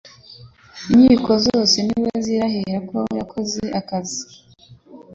Inkiko zose ni we zirahira ko yakoze akazi